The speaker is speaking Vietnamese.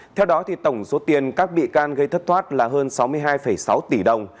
theo đó tổng số tiền các bị can gây thất thoát là hơn sáu mươi hai sáu tỷ đồng